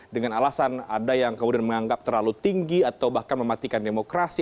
dengan alasan ada yang kemudian menganggap terlalu tinggi atau bahkan mematikan demokrasi